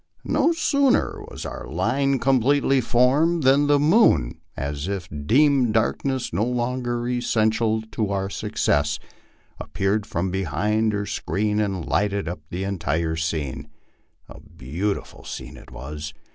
No sooner was our line oompletely formed than the moon, as if deeming darkness no longer essential to our success, appeared from behind her screen and lighted up the entire scene. And a beautiful scene it was.